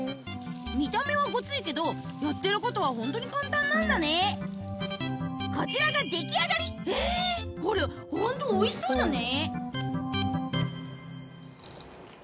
見た目はゴツイけどやってることは本当に簡単なんだねこちらが出来上がりえっこれホントおいしそうだね